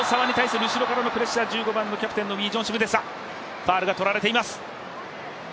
ファウルが取られています。